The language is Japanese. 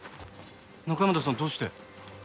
中山田さんどうして？